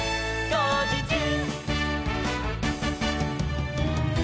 「こうじちゅう！！」